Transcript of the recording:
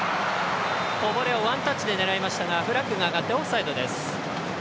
こぼれをワンタッチで狙いましたがフラッグが上がってオフサイドです。